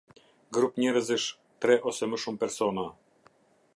Grup njerëzish - tre ose më shumë persona.